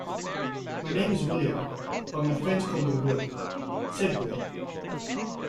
"My name is William, but my friends call me Will," said Will.